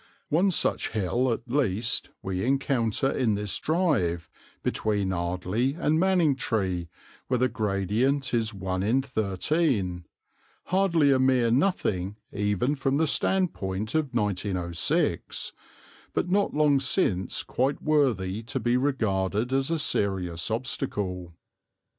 One such hill, at least, we encounter in this drive, between Ardleigh and Manningtree, where the gradient is 1 in 13; hardly a mere nothing even from the standpoint of 1906, but not long since quite worthy to be regarded as a serious obstacle.